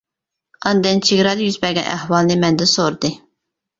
ئاندىن چېگرادا يۈز بەرگەن ئەھۋالنى مەندىن سورىدى.